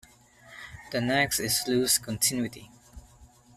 The next is loose continuity.